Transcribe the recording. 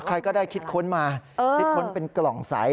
ใครก็ได้คิดค้นมาคิดค้นเป็นกล่องใส